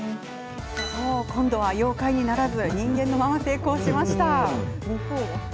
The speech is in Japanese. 今度は妖怪にならずに人間のまま成功しました。